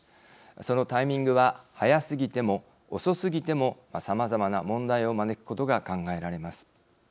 そのタイミングは早すぎても遅すぎてもさまざまな問題を招くことが考えられます。